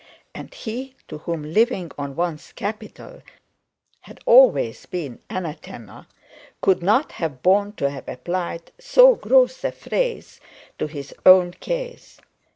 And he, to whom living on one's capital had always been anathema, could not have borne to have applied so gross a phrase to his own case.